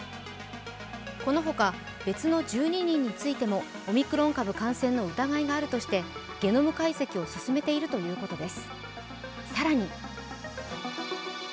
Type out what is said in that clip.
このほか別の１２人についてもオミクロン株感染の疑いがあるとしてゲノム解析を進めているということです。